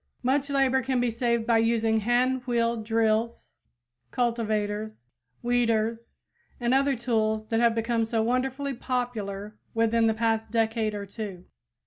Much labor can be saved by using hand wheel drills, cultivators, weeders and the other tools that have become so wonderfully popular within the past decade or two.